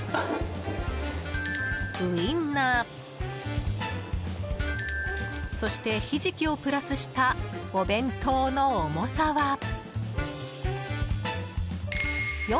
ウインナーそして、ひじきをプラスしたお弁当の重さは４６９ｇ。